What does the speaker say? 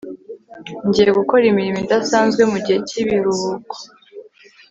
ngiye gukora imirimo idasanzwe mugihe cyibiruhuko